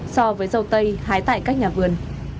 so với sầu tây hái tại các nhà vườn